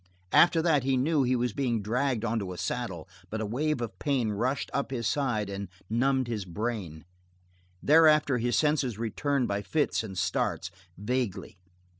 After that he knew he was being dragged onto a saddle, but a wave of pain rushed up his side and numbed his brain. Thereafter his senses returned by fits and starts, vaguely.